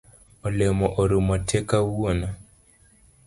Olemo orumo tee kawuono.